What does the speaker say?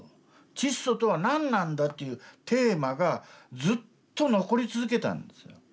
「チッソとは何なんだ」というテーマがずっと残り続けたんですよ。